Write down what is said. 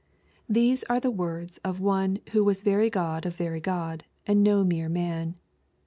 867 These are the words of one who was very God of very God, and no mere man.